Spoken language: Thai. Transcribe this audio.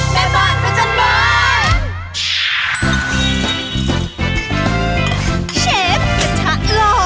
แม่บ้านพระจันทร์บ้าน